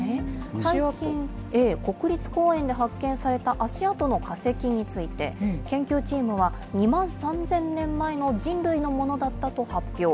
最近、国立公園で発見された足跡の化石について、研究チームは、２万３０００年前の人類のものだったと発表。